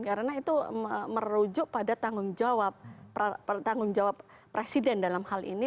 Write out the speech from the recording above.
karena itu merujuk pada tanggung jawab presiden dalam hal ini